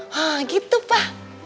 hah gitu pa